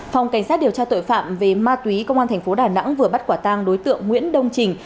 phòng cảnh sát điều tra tội phạm về ma túy công an thành phố đà nẵng vừa bắt quả tang đối tượng nguyễn đông trình